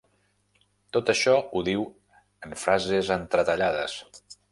Tot això ho diu en frases entretallades.